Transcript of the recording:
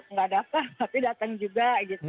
nggak daftar tapi datang juga